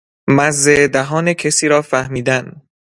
مزه دهان کسی را فهمیدن